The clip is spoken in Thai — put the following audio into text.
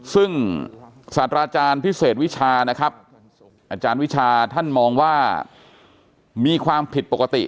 ซึ่งศาสตราอาจารย์พิเศษวิชานะครับอาจารย์วิชาท่านมองว่ามีความผิดปกติ